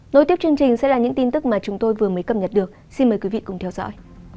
nối tiếp chương trình sẽ là những tin tức mà chúng tôi vừa mới cập nhật được xin mời quý vị cùng theo dõi